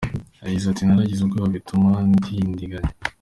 Yagize ati: "Naragize ubwoba bituma ndidinganya.